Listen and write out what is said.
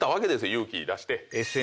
勇気出して。